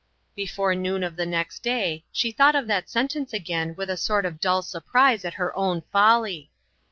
Before noon of the next day she thought of that sentence again with a sort of dull surprise at her own folly.